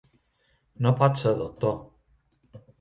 No pot ser, doctor.